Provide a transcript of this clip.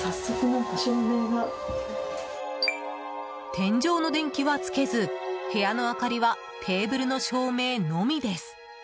天井の電気はつけず部屋の明かりはテーブルの照明のみです。